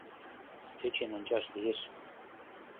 Тӧчен ончаш лиеш.